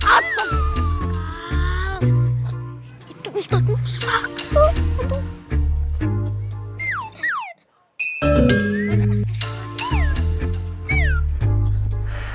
aduh pak ustadz